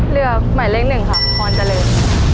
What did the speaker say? เลือกหมายเลขหนึ่งค่ะพรเจริญ